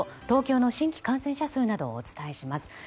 東京の新規感染者数などをお伝えします。